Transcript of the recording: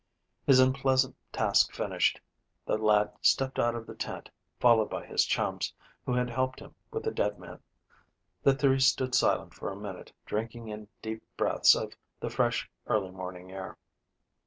His unpleasant task finished, the lad stepped out of the tent, followed by his chums, who had helped him with the dead man. The three stood silent for a minute drinking in deep breaths of the fresh early morning air.